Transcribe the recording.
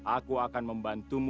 aku akan membantumu